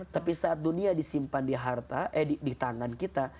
tapi saat dunia disimpan di tangan kita